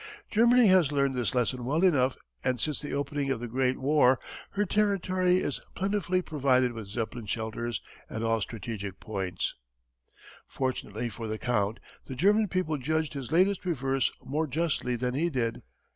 Germany has learned this lesson well enough and since the opening of the Great War her territory is plentifully provided with Zeppelin shelters at all strategic points. [Illustration: The Death of a Zeppelin. Photo by Paul Thompson.] Fortunately for the Count the German people judged his latest reverse more justly than he did.